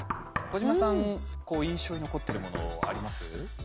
小島さん印象に残ってるものあります？